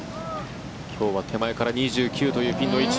今日は手前から２９というピンの位置。